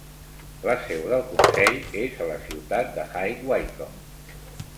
La seu del consell és a la ciutat de High Wycomb.